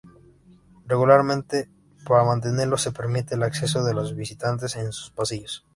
Regularmente para mantenerlo se permite el paso de los visitantes en sus pasillos.